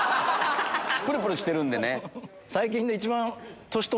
プルプルしてるんでね。